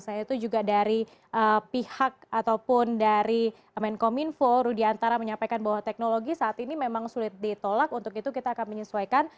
saya itu juga dari pihak ataupun dari menkom info rudiantara menyampaikan bahwa teknologi saat ini memang sulit ditolak untuk itu kita akan menyesuaikan